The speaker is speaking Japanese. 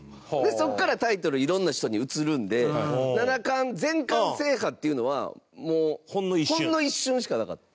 そこからタイトル、いろんな人に移るんで七冠、全冠制覇っていうのはほんの一瞬しかなかった。